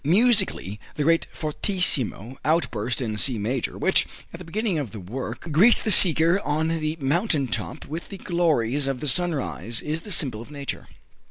Musically, the great fortissimo outburst in C major, which, at the beginning of the work, greets the seeker on the mountain top with the glories of the sunrise, is the symbol of Nature.